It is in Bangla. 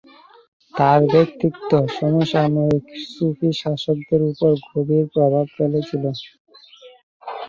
তাঁর ব্যক্তিত্ব সমসাময়িক সুফি সাধকদের উপর গভীর প্রভাব ফেলেছিল।